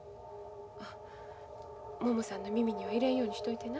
ももさんの耳には入れんようにしといてな。